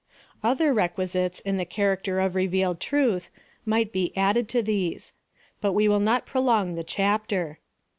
Other requisites in the character of revealed truth might be added to these ; but we will not prolong the chapter.